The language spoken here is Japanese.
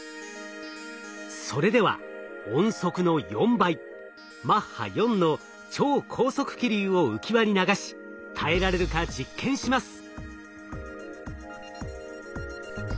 それでは音速の４倍マッハ４の超高速気流を浮き輪に流し耐えられるか実験します。